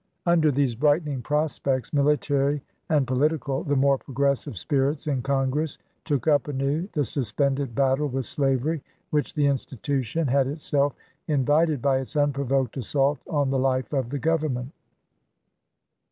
Under these brightening prospects, military and political, the more progressive spirits in Congress took up anew the suspended battle with slavery which the institution had itself invited by its unprovoked assault on the life of the Government.